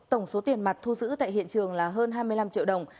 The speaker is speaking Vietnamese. tổng số tiền mặt thu giữ tại hiện trường là hơn hai mươi năm triệu đồng